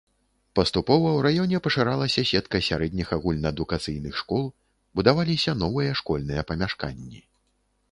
Паступова ў раёне пашыралася сетка сярэдніх агульнаадукацыйных школ, будаваліся новыя школьныя памяшканні.